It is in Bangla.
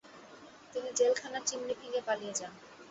তিনি জেলখানার চিমনি ভেঙ্গে পালিয়ে যান।